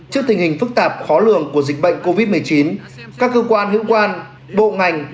trước tình hình phức tạp khó lường của dịch bệnh covid một mươi chín các cơ quan hữu quan bộ ngành